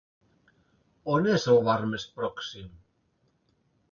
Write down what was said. On és el bar més pròxim?